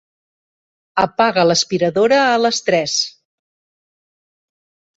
Apaga l'aspiradora a les tres.